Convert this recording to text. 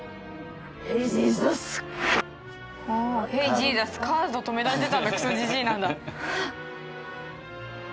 「ヘイジーザス」「カード止められてたんだクソジジイ」なんだ。